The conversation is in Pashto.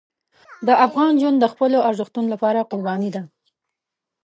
د افغان ژوند د خپلو ارزښتونو لپاره قرباني ده.